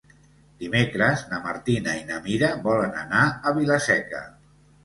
Dimecres na Martina i na Mira volen anar a Vila-seca.